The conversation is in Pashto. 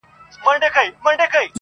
پېښه د کلي د تاريخ برخه ګرځي ورو ورو,